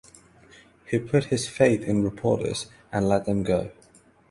He put his faith in reporters and let them go.